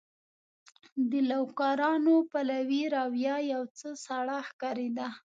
د لوکارنو پلوي رویه یو څه سړه ښکارېده.